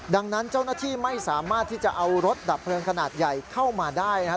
ดังนั้นเจ้าหน้าที่ไม่สามารถที่จะเอารถดับเพลิงขนาดใหญ่เข้ามาได้นะครับ